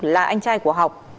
là anh trai của học